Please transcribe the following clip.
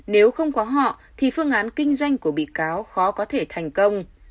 nếu không có họ thì phương án kinh doanh của bị cáo khó có thể thành công